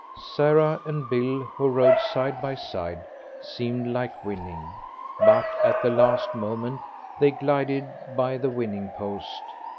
Sarah and Bill, who rode side by side, seemed like winning, but at the last moment they glided by the winning post.